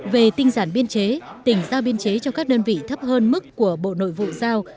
về tinh giản biên chế tỉnh giao biên chế cho các đơn vị thấp hơn mức của bộ nội vụ giao